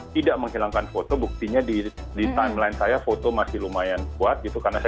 tidak menghilangkan foto buktinya di timeline saya foto masih lumayan kuat gitu karena saya